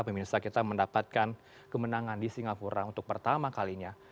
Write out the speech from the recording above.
pemirsa kita mendapatkan kemenangan di singapura untuk pertama kalinya